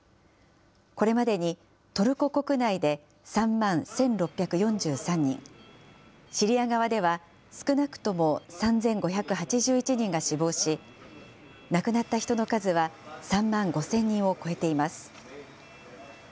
これまでにトルコ国内で３万１６４３人、シリア側では少なくとも３５８１人が死亡し、亡くなった人の数は３万５０００人を超えています。